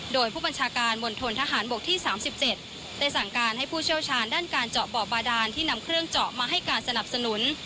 โดยผู้บัญชาการมณฑนทหารบกที่๓๗ได้สั่งการให้ผู้เชี่ยวชาญด้านการเจาะบ่อบาดานที่นำเครื่องเจาะมาให้การสนับสนุน